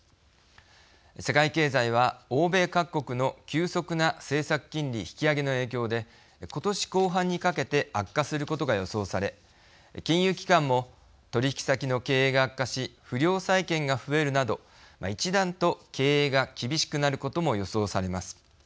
世界経済は欧米各国の急速な政策金利引き上げの影響で今年後半にかけて悪化することが予想され金融機関も取引先の経営が悪化し不良債権が増えるなど一段と経営が厳しくなることも予想されます。